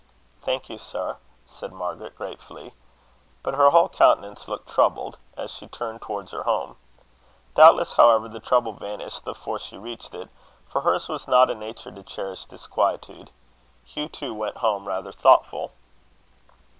"Thank you, sir," said Margaret, gratefully; but her whole countenance looked troubled, as she turned towards her home. Doubtless, however, the trouble vanished before she reached it, for hers was not a nature to cherish disquietude. Hugh too went home, rather thoughtful.